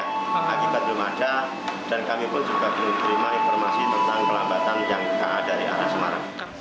dan kami pun juga belum terima informasi tentang kelambatan yang ada di arah semarang